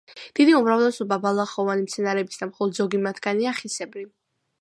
დიდი უმრავლესობა ბალახოვანი მცენარეების და მხოლოდ ზოგი მათგანია ხისებრი.